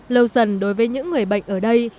lâu dần đối với những người bệnh ở đây